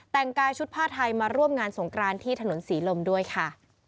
แต่งกายชุดผ้าไทยมาร่วมงานสงกรานที่ถนนศรีลมด้วยค่ะ